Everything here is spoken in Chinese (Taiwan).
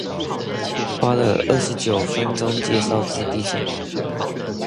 花了二十九分鐘介紹自閉症